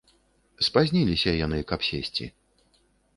Спазніліся яны, каб сесці.